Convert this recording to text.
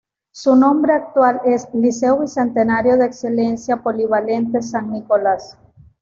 Su nombre actual es: "Liceo Bicentenario de Excelencia Polivalente San Nicolas".